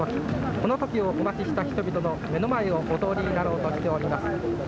この時をお待ちした人々の目の前をお通りになろうとしております」。